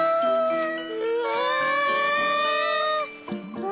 うわ！